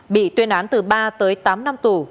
bị tuyên án từ ba tới tám năm tù